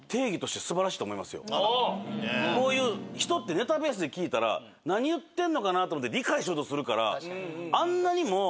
こういう人ってネタベースで聞いたら何言ってんのかな？と思って理解しようとするから。